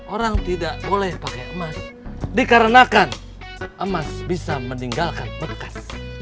orang tidak boleh pakai emas dikarenakan emas bisa meninggalkan bekas